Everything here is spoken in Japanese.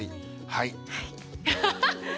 はい。